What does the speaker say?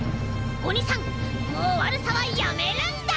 おにさんもうわるさはやめるんだ！